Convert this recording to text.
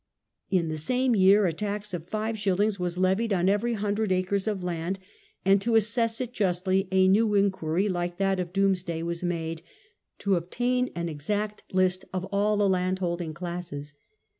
In the same year a tax of five shillings was levied on every hundred acres of land, and to assess it justly a new inquiry, like that of Domesday, was made, to obtain an exact list of all the landholding classes.